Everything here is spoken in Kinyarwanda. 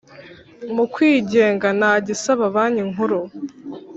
Mukwigenga nta gisaba Banki Nkuru